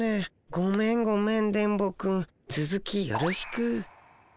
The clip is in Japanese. ごめんごめん電ボくんつづきよろしく。